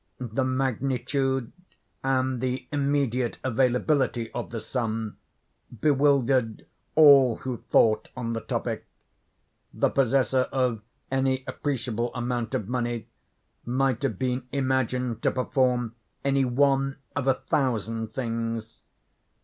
The magnitude and the immediate availability of the sum bewildered all who thought on the topic. The possessor of any appreciable amount of money might have been imagined to perform any one of a thousand things.